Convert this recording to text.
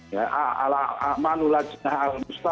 ya ala al amanullah jinnah al nusra